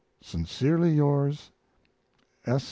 Sincerely yours, S.